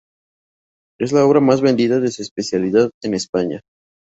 Es la obra más vendida de su especialidad en España.